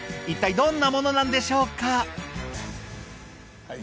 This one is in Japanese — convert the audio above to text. いったいどんなものなんでしょうか？